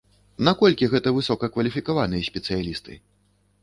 Наколькі гэта высока кваліфікаваныя спецыялісты?